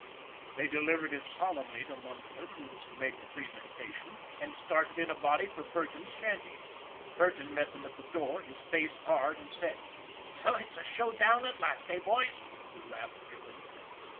' They delivered it solemnly to Munford, who was to make the presenta MUNFORD 343 tion, and started in a body for Burton's shanty. Burton met them at the door, his face hard and set. " So it's a showdown at last, eh, boys? " he laughed grimly.